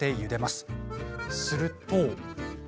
すると。